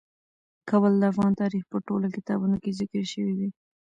کابل د افغان تاریخ په ټولو کتابونو کې ذکر شوی دی.